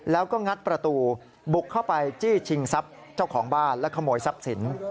แล้วก็งัดประตูบุกเข้าไปจี้ชิงทรัพย์เจ้าของบ้านและขโมยทรัพย์สิน